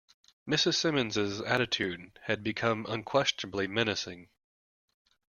Mrs. Simmons's attitude had become unquestionably menacing.